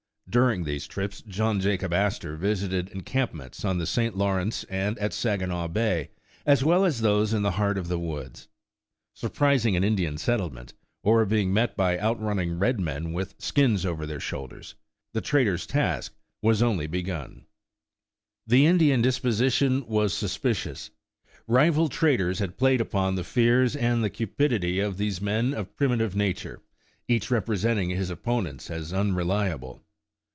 During these trips John Jacob Astor visited encampments on the St. Lawrence and at Saginaw Bay, as well as those in the heart of the woods. Surprising an Indian settlement, or being met by outrunning red men with skins over their shoulders, the trader's task was only begun. 95 The Original John Jacob Astor The Indian disposition was suspicious. Rival traders had played upon the fears and the cupidity of these men of primitive nature, each representing his opponents as unreliable.